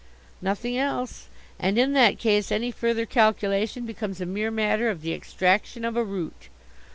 "Nothing else. And in that case any further calculation becomes a mere matter of the extraction of a root."